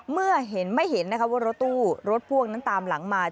เมื่อเห็นไม่เห็นนะคะว่ารถตู้รถพ่วงนั้นตามหลังมา